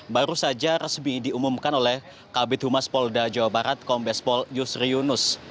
baru saja resmi diumumkan oleh kabit humas polda jawa barat kombes pol yusri yunus